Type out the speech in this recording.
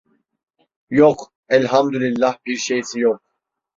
Yok, elhamdülillah bir şeysi yok!